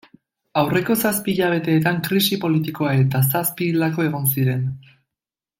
Aurreko zazpi hilabeteetan krisi politikoa eta zazpi hildako egon ziren.